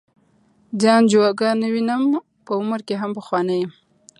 ځان جوګه نه وینم په عمر کې هم پخوانی یم.